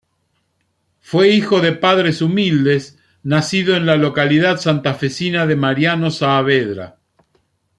Fue hijo de padres humildes, nacido en la localidad santafesina de Mariano Saavedra.